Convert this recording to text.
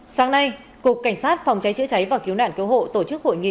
sáng nay cục cảnh sát phòng cháy chữa cháy và cứu nạn cứu hộ tổ chức hội nghị